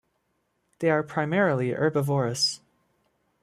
They are primarily herbivorous.